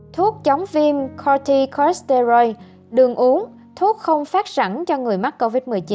thuốc chống viêm corticosteroid đường uống thuốc không phát sẵn cho người mắc covid một mươi chín